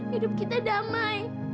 hidup kita damai